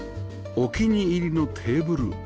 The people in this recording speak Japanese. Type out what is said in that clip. お気に入りのテーブル